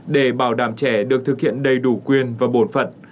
để bảo đảm trẻ được thực hiện đầy đủ quyền và bổn phận